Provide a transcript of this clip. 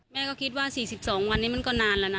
แม่ก็คิดว่า๔๒วันนี้มันก็นานแล้วนะ